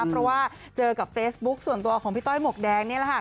เพราะว่าเจอกับเฟซบุ๊คส่วนตัวของพี่ต้อยหมวกแดงนี่แหละค่ะ